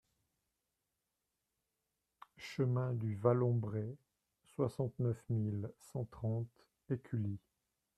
Chemin du Vallombrey, soixante-neuf mille cent trente Écully